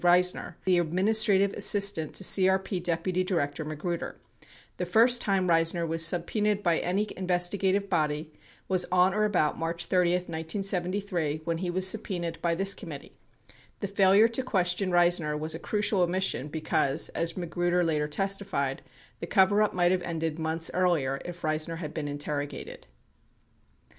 Reisner, the administrative assistant to CRP deputy director Magruder, 24 The first time Reisner was subpenaed by any investigative body was on or about March 30, 1973, when he was sub penaed by this committee. 25 The failure to question Reisner was a crucial omission because, as Magruder later testified, the coverup might have ended months earlier if Reisner had been interrogated.